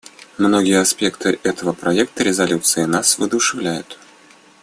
Многие аспекты этого проекта резолюции нас воодушевляют.